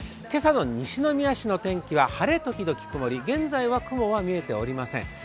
今朝の西宮市の天気は晴れ時々曇り現在は雲は見えておりません。